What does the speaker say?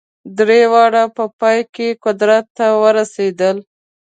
درې واړه په پای کې قدرت ته ورسېدل.